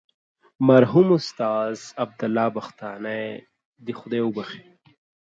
مرحوم استاد عبدالله بختانی دې خدای وبخښي.